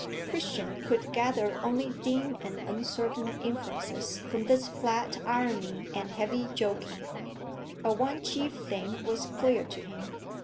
Christian could gather only dim and uncertain inferences from this flat irony and heavy joking; but one chief thing was clear to him.